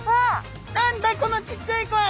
何だこのちっちゃい子は。